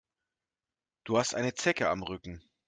Du hast eine Zecke am Rücken.